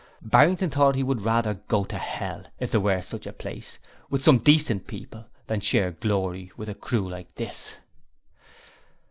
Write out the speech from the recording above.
Barrington thought he would, rather go to hell if there were such a place with some decent people, than share 'glory' with a crew like this.